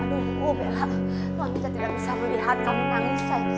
mami gue tidak bisa melihat kamu nangis sayang seperti ini